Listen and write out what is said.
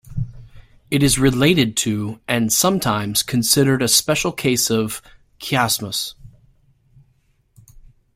It is related to, and sometimes considered a special case of, chiasmus.